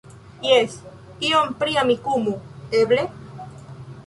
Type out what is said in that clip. Jes, ion pri Amikumu, eble?